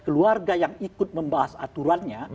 keluarga yang ikut membahas aturannya